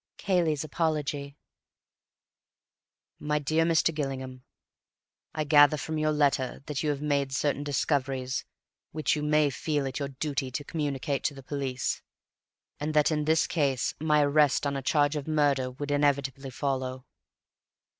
Cayley's Apology "My Dear Mr. Gillingham, "I gather from your letter that you have made certain discoveries which you may feel it your duty to communicate to the police, and that in this case my arrest on a charge of murder would inevitably follow.